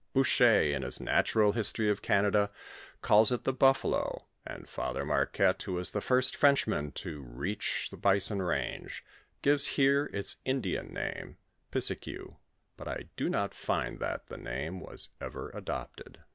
Boucher, in his natural history of Canado, colls it the buffalo, and Father Marquette, who was the first Frenchman to reach the bison range, gives here its Indian name pisikiou, but I do not find that the name nas ever adopted.